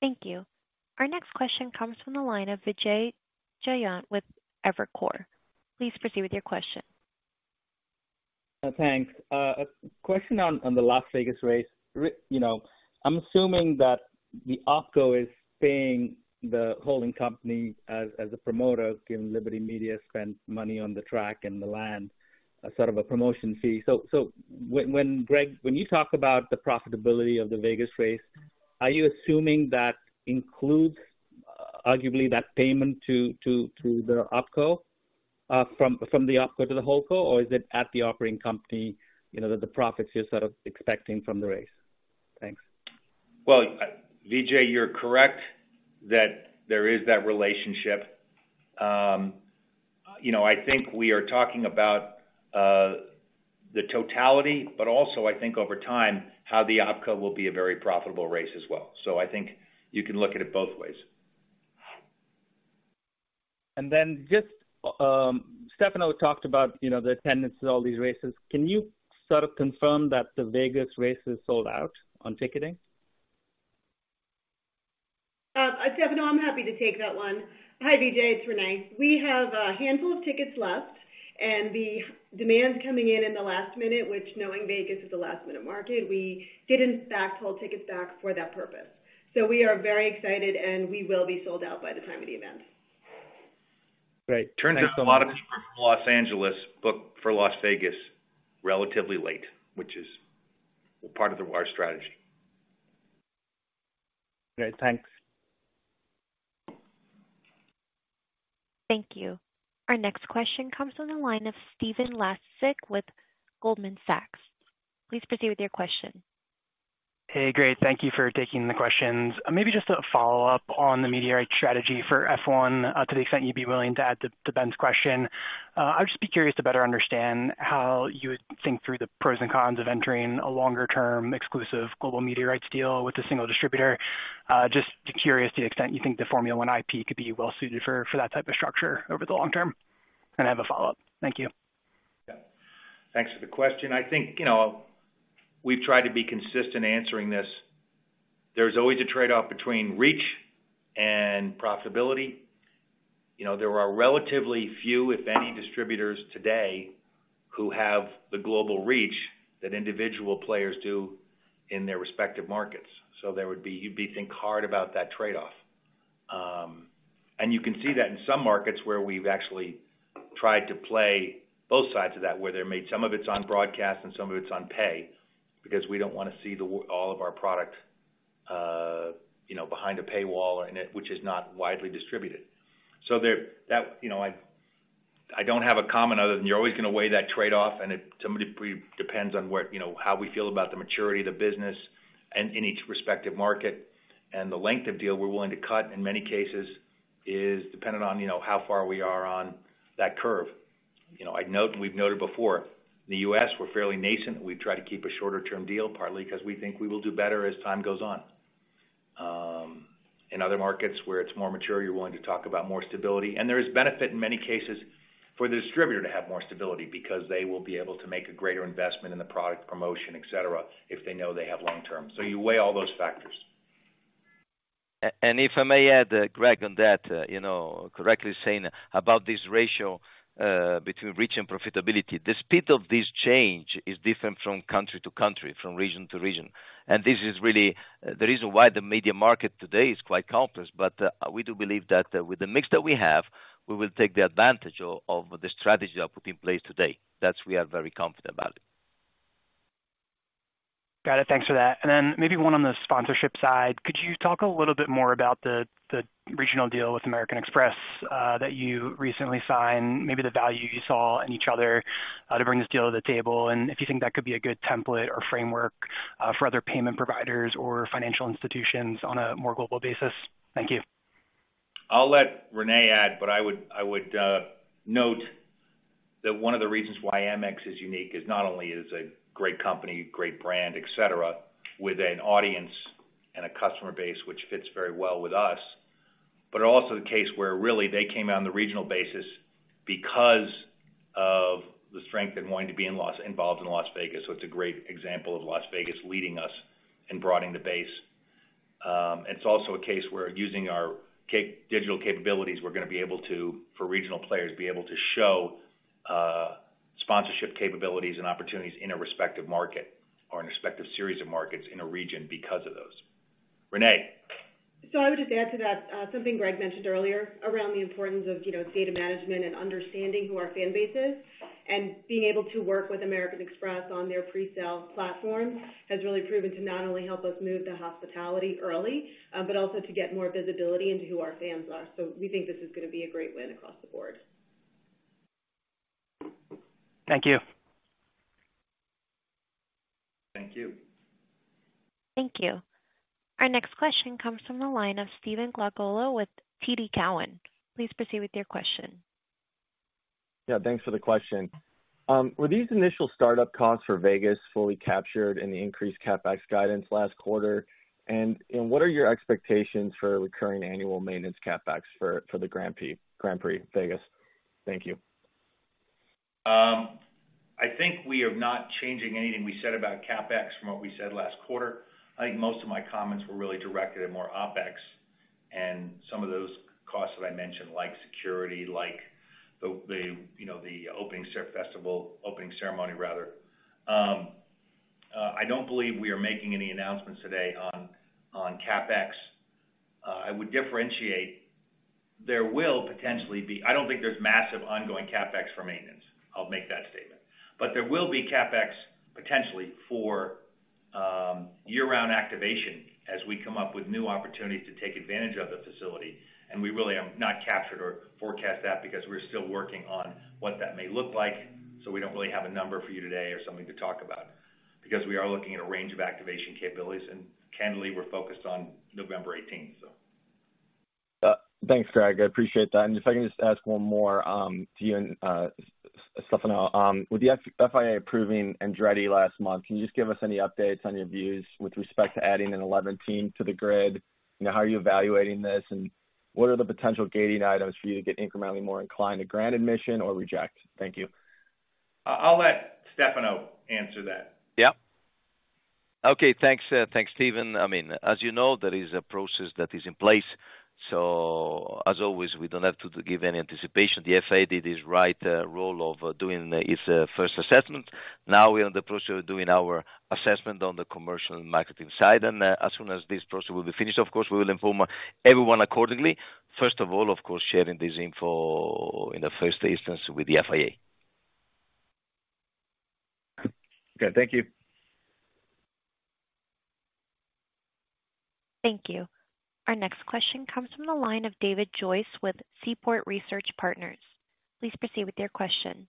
Thank you. Our next question comes from the line of Vijay Jayant with Evercore. Please proceed with your question. Thanks. A question on the Las Vegas race. You know, I'm assuming that the OpCo is paying the holding company as a promoter, given Liberty Media spends money on the track and the land, a sort of a promotion fee. So when, Greg, when you talk about the profitability of the Vegas race, are you assuming that includes, arguably, that payment to the OpCo from the OpCo to the HoldCo, or is it at the operating company, you know, that the profits you're sort of expecting from the race? Thanks. Well, Vijay, you're correct that there is that relationship. You know, I think we are talking about the totality, but also I think over time, how the OpCo will be a very profitable race as well. So I think you can look at it both ways. And then just, Stefano talked about, you know, the attendance at all these races. Can you sort of confirm that the Vegas race is sold out on ticketing? Stefano, I'm happy to take that one. Hi, Vijay, it's Renee. We have a handful of tickets left, and the demand coming in in the last minute, which, knowing Vegas is a last-minute market, we did, in fact, hold tickets back for that purpose. So we are very excited, and we will be sold out by the time of the event. Great. Thanks so much. A lot of people from Los Angeles booked for Las Vegas relatively late, which is part of our strategy. Great, thanks. Thank you. Our next question comes from the line of Stephen Laszczyk with Goldman Sachs. Please proceed with your question. Hey, Greg, thank you for taking the questions. Maybe just a follow-up on the media strategy for F1, to the extent you'd be willing to add to Ben's question. I'd just be curious to better understand how you would think through the pros and cons of entering a longer-term, exclusive global media rights deal with a single distributor. Just curious to the extent you think the Formula One IP could be well suited for that type of structure over the long term. I have a follow-up. Thank you. Yeah. Thanks for the question. I think, you know, we've tried to be consistent answering this. There's always a trade-off between reach and profitability. You know, there are relatively few, if any, distributors today who have the global reach that individual players do in their respective markets. So there would be—you'd think hard about that trade-off. And you can see that in some markets where we've actually tried to play both sides of that, where they made some of it's on broadcast and some of it's on pay, because we don't want to see the, all of our product, you know, behind a paywall and it, which is not widely distributed. You know, I don't have a comment other than you're always going to weigh that trade-off, and it somewhat depends on where, you know, how we feel about the maturity of the business and in each respective market. And the length of deal we're willing to cut, in many cases, is dependent on, you know, how far we are on that curve. You know, we've noted before, the US, we're fairly nascent. We try to keep a shorter-term deal, partly because we think we will do better as time goes on. In other markets where it's more mature, you're willing to talk about more stability. And there is benefit in many cases for the distributor to have more stability because they will be able to make a greater investment in the product promotion, et cetera, if they know they have long term. You weigh all those factors. And if I may add, Greg, on that, you know, correctly saying about this ratio between reach and profitability. The speed of this change is different from country to country, from region to region, and this is really the reason why the media market today is quite complex. But we do believe that, with the mix that we have, we will take the advantage of the strategy I put in place today. That's we are very confident about. Got it. Thanks for that. And then maybe one on the sponsorship side. Could you talk a little bit more about the regional deal with American Express that you recently signed, maybe the value you saw in each other to bring this deal to the table? And if you think that could be a good template or framework for other payment providers or financial institutions on a more global basis? Thank you. I'll let Renee add, but I would note that one of the reasons why Amex is unique is not only is a great company, great brand, et cetera, with an audience and a customer base, which fits very well with us, but also the case where really they came out on the regional basis because of the strength and wanting to be involved in Las Vegas. So it's a great example of Las Vegas leading us and broadening the base. It's also a case where using our digital capabilities, we're gonna be able to, for regional players, be able to show sponsorship capabilities and opportunities in a respective market or a respective series of markets in a region because of those. Renee? So I would just add to that, something Greg mentioned earlier around the importance of, you know, data management and understanding who our fan base is, and being able to work with American Express on their presale platform has really proven to not only help us move to hospitality early, but also to get more visibility into who our fans are. So we think this is gonna be a great win across the board. Thank you. Thank you. Thank you. Our next question comes from the line of Stephen Glagola with TD Cowen. Please proceed with your question. Yeah, thanks for the question. Were these initial startup costs for Vegas fully captured in the increased CapEx guidance last quarter? And what are your expectations for recurring annual maintenance CapEx for the Grand Prix Vegas? Thank you. I think we are not changing anything we said about CapEx from what we said last quarter. I think most of my comments were really directed at more OpEx and some of those costs that I mentioned, like security, like the, you know, the opening ceremony rather. I don't believe we are making any announcements today on CapEx. I would differentiate there will potentially be... I don't think there's massive ongoing CapEx for maintenance. I'll make that statement. But there will be CapEx potentially for year-round activation as we come up with new opportunities to take advantage of the facility, and we really have not captured or forecast that because we're still working on what that may look like. We don't really have a number for you today or something to talk about because we are looking at a range of activation capabilities, and candidly, we're focused on November eighteenth, so. Thanks, Greg. I appreciate that. And if I can just ask one more, to you and, Stefano. With the FIA approving Andretti last month, can you just give us any updates on your views with respect to adding an eleventh team to the grid? You know, how are you evaluating this, and what are the potential gating items for you to get incrementally more inclined to grant admission or reject? Thank you. I'll let Stefano answer that. Yeah. Okay, thanks, thanks, Stephen. I mean, as you know, there is a process that is in place, so as always, we don't have to give any anticipation. The FIA did its right role of doing its first assessment. Now we are in the process of doing our assessment on the commercial and marketing side, and as soon as this process will be finished, of course, we will inform everyone accordingly. First of all, of course, sharing this info in the first instance with the FIA. Okay, thank you. Thank you. Our next question comes from the line of David Joyce with Seaport Research Partners. Please proceed with your question.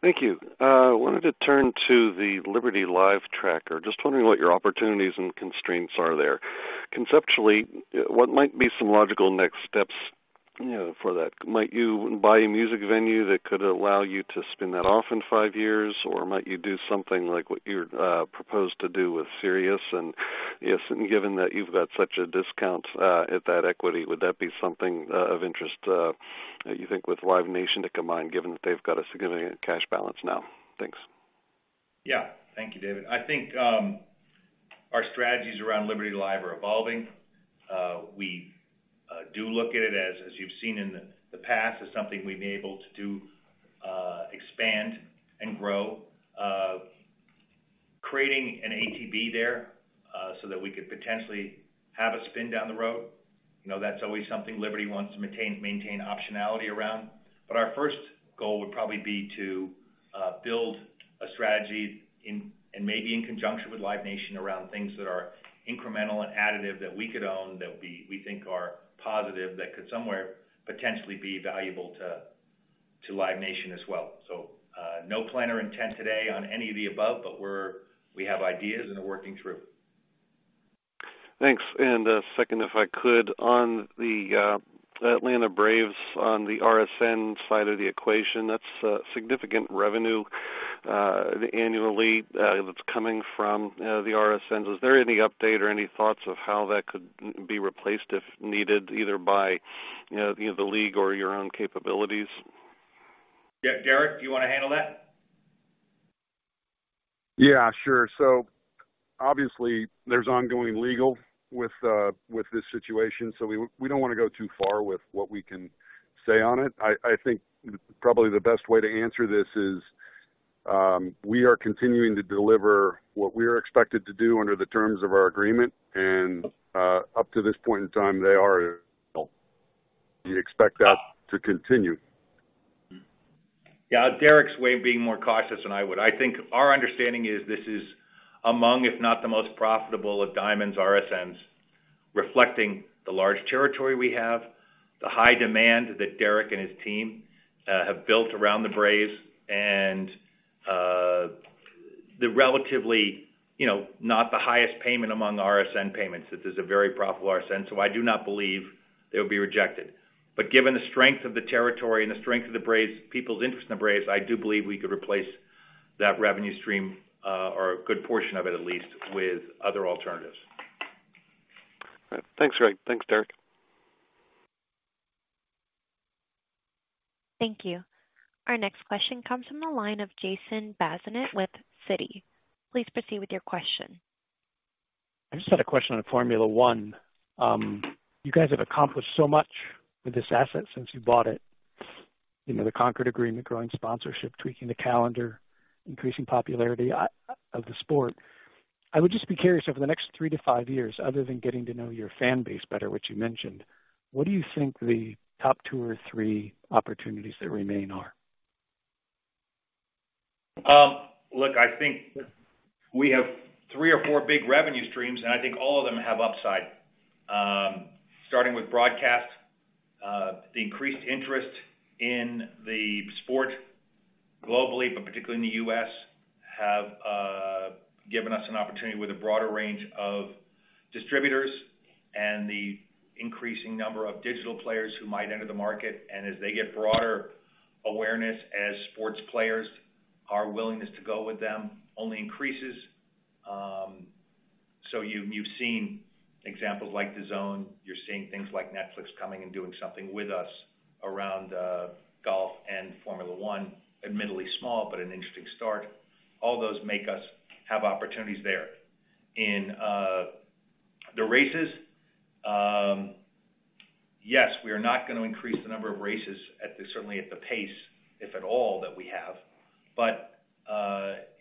Thank you. I wanted to turn to the Liberty Live tracker. Just wondering what your opportunities and constraints are there. Conceptually, what might be some logical next steps, you know, for that? Might you buy a music venue that could allow you to spin that off in five years, or might you do something like what you proposed to do with Sirius? And if so, given that you've got such a discount at that equity, would that be something of interest, you think, with Live Nation to combine, given that they've got a significant cash balance now? Thanks.... Yeah. Thank you, David. I think, our strategies around Liberty Live are evolving. We do look at it as, as you've seen in the past, as something we've been able to expand and grow. Creating an ATB there, so that we could potentially have a spin down the road. You know, that's always something Liberty wants to maintain, maintain optionality around. But our first goal would probably be to build a strategy in, and maybe in conjunction with Live Nation, around things that are incremental and additive that we could own, that we think are positive, that could somewhere potentially be valuable to Live Nation as well. So, no plan or intent today on any of the above, but we're we have ideas and are working through. Thanks. Second, if I could, on the Atlanta Braves, on the RSN side of the equation, that's a significant revenue annually, that's coming from the RSNs. Is there any update or any thoughts of how that could be replaced if needed, either by, you know, the league or your own capabilities? Yeah. Derek, do you want to handle that? Yeah, sure. So obviously, there's ongoing legal with this situation, so we don't want to go too far with what we can say on it. I think probably the best way to answer this is, we are continuing to deliver what we are expected to do under the terms of our agreement, and up to this point in time, they are... We expect that to continue. Yeah, Derek's way of being more cautious than I would. I think our understanding is this is among, if not the most profitable of Diamond's RSNs, reflecting the large territory we have, the high demand that Derek and his team have built around the Braves, and the relatively, you know, not the highest payment among the RSN payments. This is a very profitable RSN, so I do not believe it will be rejected. But given the strength of the territory and the strength of the Braves, people's interest in the Braves, I do believe we could replace that revenue stream, or a good portion of it, at least, with other alternatives. Thanks, Greg. Thanks, Derek. Thank you. Our next question comes from the line of Jason Bazinet with Citi. Please proceed with your question. I just had a question on Formula One. You guys have accomplished so much with this asset since you bought it. You know, the Concorde Agreement, growing sponsorship, tweaking the calendar, increasing popularity of the sport. I would just be curious, over the next 3-5 years, other than getting to know your fan base better, which you mentioned, what do you think the top 2 or 3 opportunities that remain are? Look, I think we have three or four big revenue streams, and I think all of them have upside. Starting with broadcast, the increased interest in the sport globally, but particularly in the U.S., have given us an opportunity with a broader range of distributors and the increasing number of digital players who might enter the market. And as they get broader awareness as sports players, our willingness to go with them only increases. So you've seen examples like DAZN. You're seeing things like Netflix coming and doing something with us around golf and Formula One, admittedly small, but an interesting start. All those make us have opportunities there. In the races, yes, we are not going to increase the number of races, certainly at the pace, if at all, that we have. But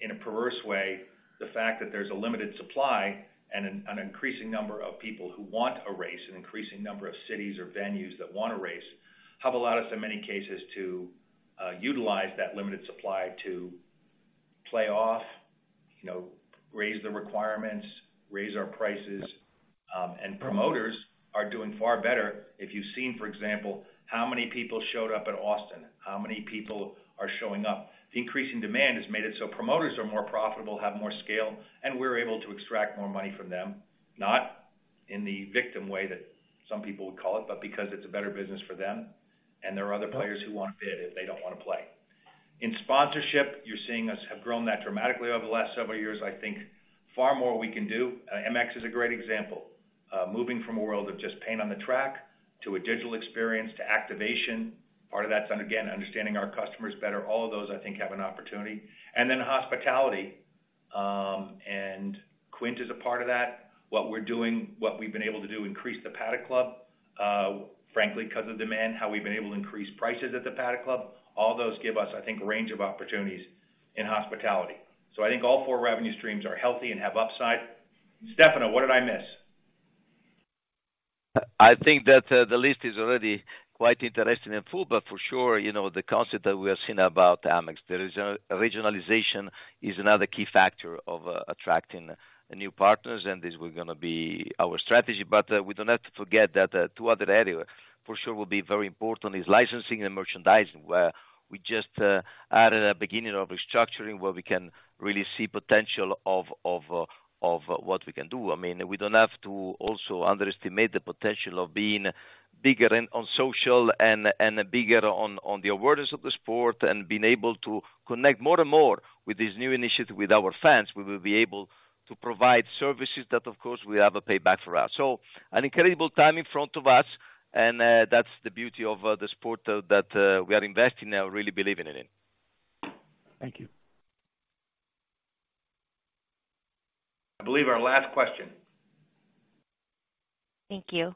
in a perverse way, the fact that there's a limited supply and an increasing number of people who want a race, an increasing number of cities or venues that want a race, have allowed us, in many cases, to utilize that limited supply to play off, you know, raise the requirements, raise our prices. And promoters are doing far better. If you've seen, for example, how many people showed up at Austin, how many people are showing up. The increase in demand has made it so promoters are more profitable, have more scale, and we're able to extract more money from them, not in the victim way that some people would call it, but because it's a better business for them, and there are other players who want to bid, if they don't want to play. In sponsorship, you're seeing us have grown that dramatically over the last several years. I think far more we can do. Amex is a great example. Moving from a world of just paint on the track to a digital experience, to activation. Part of that's on, again, understanding our customers better. All of those, I think, have an opportunity. And then hospitality, and Quint is a part of that. What we're doing, what we've been able to do, increase the Paddock Club, frankly, because of demand, how we've been able to increase prices at the Paddock Club. All those give us, I think, a range of opportunities in hospitality. So I think all four revenue streams are healthy and have upside. Stefano, what did I miss? I think that, the list is already quite interesting and full, but for sure, you know, the concept that we are seeing about Amex, the regionalization, is another key factor of, attracting new partners, and this is gonna be our strategy. But, we don't have to forget that, two other area for sure will be very important is licensing and merchandising, where we just, added a beginning of restructuring, where we can really see potential of, of, of what we can do. I mean, we don't have to also underestimate the potential of being bigger on social and, and bigger on, on the awareness of the sport and being able to connect more and more with this new initiative with our fans. We will be able to provide services that, of course, will have a payback for us. So, an incredible time in front of us, and that's the beauty of the sport that we are investing in now, really believing in it. Thank you.... I believe our last question. Thank you.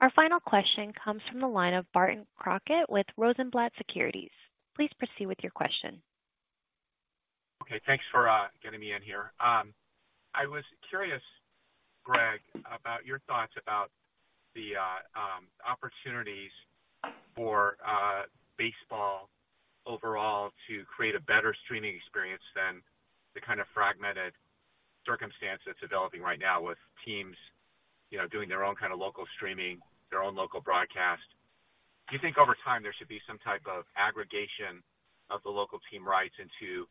Our final question comes from the line of Barton Crockett with Rosenblatt Securities. Please proceed with your question. Okay, thanks for getting me in here. I was curious, Greg, about your thoughts about the opportunities for baseball overall to create a better streaming experience than the kind of fragmented circumstance that's developing right now with teams, you know, doing their own kind of local streaming, their own local broadcast. Do you think over time there should be some type of aggregation of the local team rights into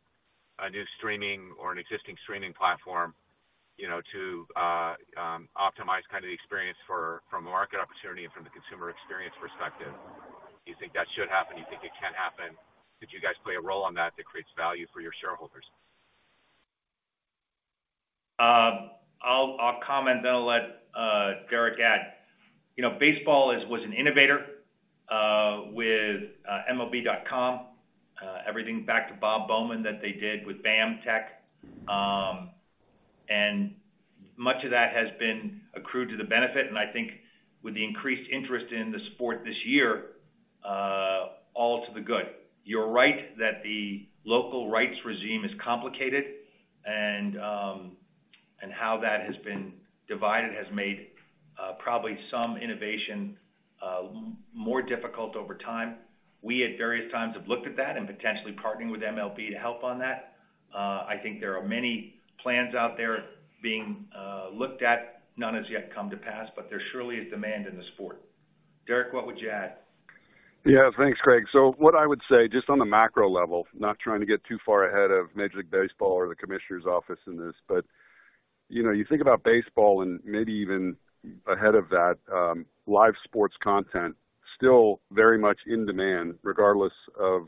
a new streaming or an existing streaming platform, you know, to optimize kind of the experience from the market opportunity and from the consumer experience perspective? Do you think that should happen? Do you think it can happen? Could you guys play a role on that, that creates value for your shareholders? I'll comment, then I'll let Derek add. You know, baseball was an innovator with MLB.com, everything back to Bob Bowman that they did with BAMTech. And much of that has been accrued to the benefit, and I think with the increased interest in the sport this year, all to the good. You're right that the local rights regime is complicated, and how that has been divided has made probably some innovation more difficult over time. We, at various times, have looked at that and potentially partnering with MLB to help on that. I think there are many plans out there being looked at. None has yet come to pass, but there's surely a demand in the sport. Derek, what would you add? Yeah. Thanks, Greg. So what I would say, just on the macro level, not trying to get too far ahead of Major League Baseball or the commissioner's office in this, but, you know, you think about baseball and maybe even ahead of that, live sports content, still very much in demand, regardless of,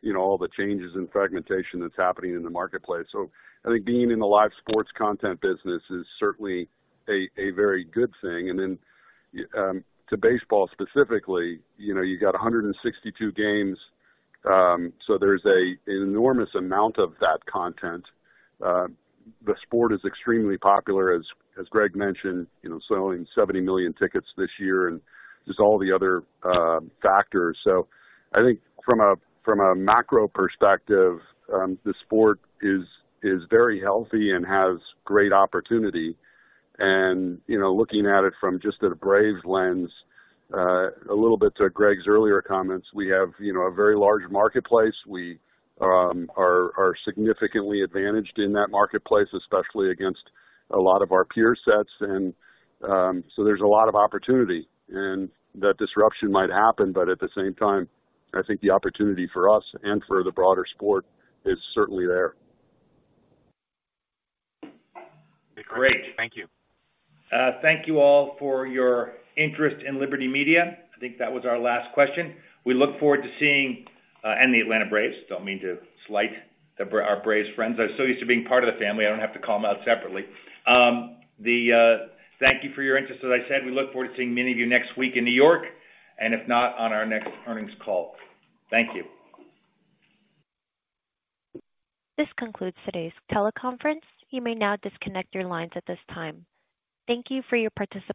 you know, all the changes in fragmentation that's happening in the marketplace. So I think being in the live sports content business is certainly a very good thing. And then, to baseball specifically, you know, you got 162 games, so there's an enormous amount of that content. The sport is extremely popular, as Greg mentioned, you know, selling 70 million tickets this year, and there's all the other factors. So I think from a macro perspective, the sport is very healthy and has great opportunity. And, you know, looking at it from just a Braves lens, a little bit to Greg's earlier comments, we have, you know, a very large marketplace. We are significantly advantaged in that marketplace, especially against a lot of our peer sets. And so there's a lot of opportunity, and that disruption might happen, but at the same time, I think the opportunity for us and for the broader sport is certainly there. Great. Thank you. Thank you all for your interest in Liberty Media. I think that was our last question. We look forward to seeing and the Atlanta Braves. Don't mean to slight our Braves friends. I'm so used to being part of the family, I don't have to call them out separately. Thank you for your interest. As I said, we look forward to seeing many of you next week in New York, and if not, on our next earnings call. Thank you. This concludes today's teleconference. You may now disconnect your lines at this time. Thank you for your participation.